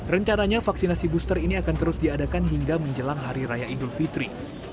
rencananya vaksinasi booster ini akan terus diadakan hingga menjelang hari raya idul fitri